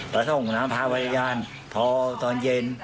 ไปส่งน้ำพระวัฒนญาณพอตอนเย็น